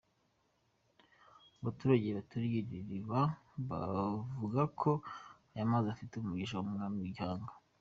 Abaturage baturiye iri riba bavuga ko aya mazi afite umugisha w’Umwami Gihanga.